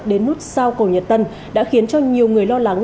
đến nút sao cầu nhật tân đã khiến cho nhiều người lo lắng